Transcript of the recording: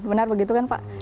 benar begitu kan pak